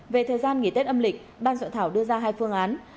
về thời gian nghỉ tết âm lịch ban soạn thảo đưa ra hai phương án